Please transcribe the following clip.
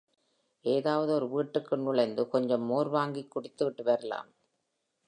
ஏதாவது ஒரு வீட்டுக்குள் நுழைந்து கெஞ்சம் மோர் வாங்கிக் குடித்துவிட்டு வரலாம்.